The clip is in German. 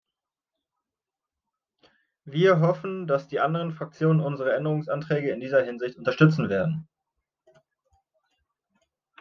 Wir hoffen, dass die anderen Fraktionen unsere Änderungsanträge in dieser Hinsicht unterstützen werden.